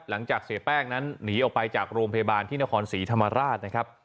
เสียแป้งนั้นหนีออกไปจากโรงพยาบาลที่นครศรีธรรมราชนะครับ